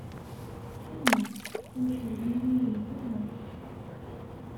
Qqimemt, ur ttewliwilemt ara.